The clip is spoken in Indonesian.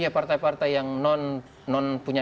ya partai partai yang non punya